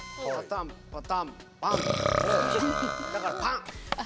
だから、パン。